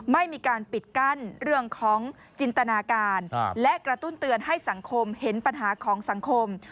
ไม่มีการปิดกั้นเรื่องของจินตนาการและกระตุ้นเตือนให้สังคมเห็นปัญหาของสังคม